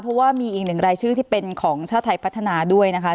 เพราะว่ามีอีกหนึ่งรายชื่อที่เป็นของชาติไทยพัฒนาด้วยนะคะ